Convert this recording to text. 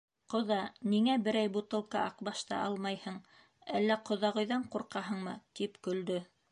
— Ҡоҙа, ниңә берәй бутылка аҡбашты алмайһың, әллә ҡоҙағыйҙан ҡурҡаһыңмы? — тип көлдө.